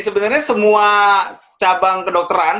sebenarnya semua cabang kedokteran